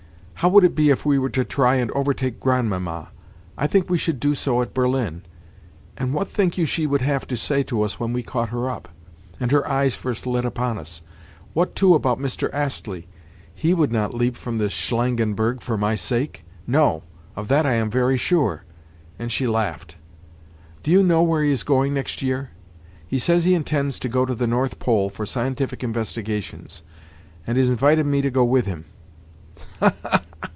"How would it be if we were to try and overtake Grandmamma? I think we should do so at Berlin. And what think you she would have to say to us when we caught her up, and her eyes first lit upon us? What, too, about Mr. Astley? He would not leap from the Shlangenberg for my sake! No! Of that I am very sure!"—and she laughed. "Do you know where he is going next year? He says he intends to go to the North Pole for scientific investigations, and has invited me to go with him!